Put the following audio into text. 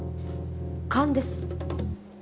勘です。